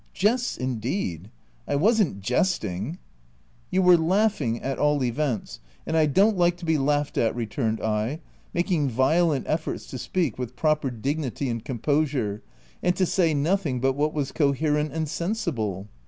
"Jests indeed ! I wasn't jesting /" u You were laughing, at all events ; and I don't like to be laughed at," returned I, making violent efforts to speak with proper dignity and composure, and to say nothing but what was coherent and sensible.